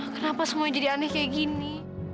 kenapa semua jadi aneh kayak gini